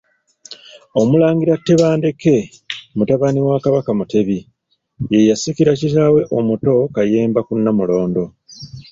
OMULANGIRA Tebandeke mutabani wa Kabaka Mutebi, ye yasikira kitaawe omuto Kayemba ku Nnamulondo.